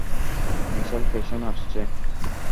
Missile পেছনে আসছে।